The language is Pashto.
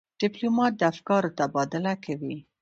ډيپلومات د افکارو تبادله کوي.